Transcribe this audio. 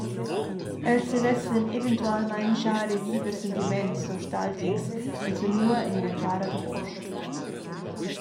Els savessen eventualmein schar reviver sentiments nostalgics enzanua en ina tiara digl ost.